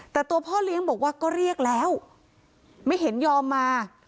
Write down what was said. แต่ตัวพ่อเลี้ยงบอกว่าก็เรียกแล้วไม่เห็นยอมมา